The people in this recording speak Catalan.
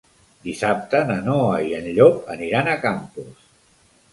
Dissabte na Noa i en Llop aniran a Campos.